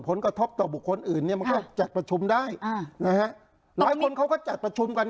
ผลกระทบต่อบุคคลอื่นเนี่ยมันก็จัดประชุมได้อ่านะฮะหลายคนเขาก็จัดประชุมกัน